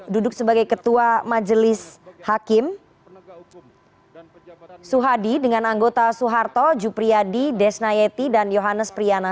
duduk sebagai ketua majelis hakim suhadi dengan anggota soeharto jupriyadi desnayeti dan yohanes priyana